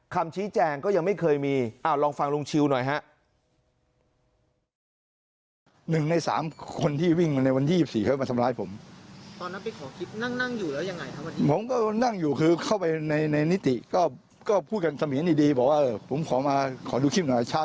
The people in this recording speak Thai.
คำชี้แจงก็ยังไม่เคยมีลองฟังลุงชิวหน่อยฮะ